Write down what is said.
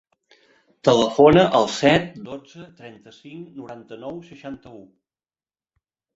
Telefona al set, dotze, trenta-cinc, noranta-nou, seixanta-u.